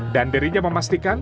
dan dirinya memastikan